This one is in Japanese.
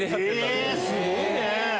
すごいね！